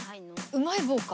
うまい棒か。